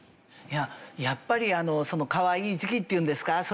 やっぱりそのかわいい時期っていうんですか？